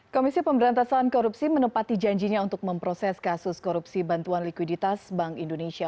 komisi pemberantasan korupsi menepati janjinya untuk memproses kasus korupsi bantuan likuiditas bank indonesia